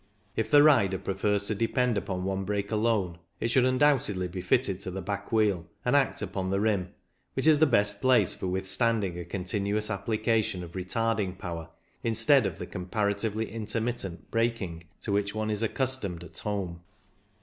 If the rider prefers to depend upon one brake alone, it should undoubtedly be fitted to the back wheel, and act upon the rim, which is the best place for withstanding a continuous application of retarding power instead of the comparatively intermittent " brakeing " to which one is accustomed at home.